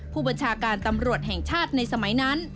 ผู้บัญชาการตำรวจแห่งชาติในสมัยนั้น